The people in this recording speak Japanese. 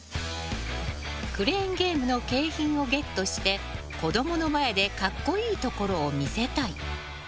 クレーンゲームの景品をゲットして子供の前で格好いいところを見せたい。